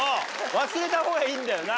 忘れたほうがいいんだよな。